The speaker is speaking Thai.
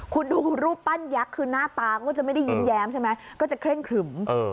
คุณดูรูปปั้นยักษ์คือหน้าตาก็จะไม่ได้ยิ้มแย้มใช่ไหมก็จะเคร่งครึม